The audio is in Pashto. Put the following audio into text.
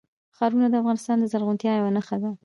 ښارونه د افغانستان د زرغونتیا یوه نښه ده.